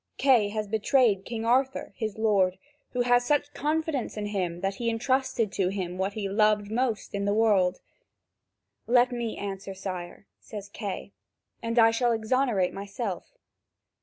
Kay has betrayed King Arthur, his lord, who had such confidence in him that he entrusted to him what he loved most in the world." "Let me answer, sire," says Kay, "and I shall exonerate myself.